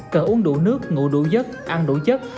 cần uống đủ nước ngủ đủ giấc ăn đủ chất